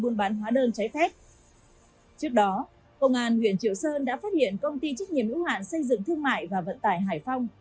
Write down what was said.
trước đó công an huyện triệu sơn đã phát hiện công ty trách nhiệm ưu hạn xây dựng thương mại và vận tải hải phong